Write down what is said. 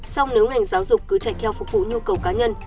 song nếu ngành giáo dục cứ chạy theo phục vụ nhu cầu cá nhân